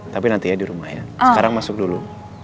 tapi nanti ya di rumah ya sekarang masuk dulu